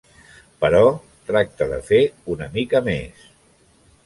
Però tracta de fer una mica més.